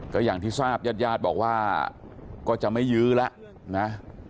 ก็อย่างที่ทราบญาติญาติบอกว่าก็จะไม่ยื้อแล้วนะ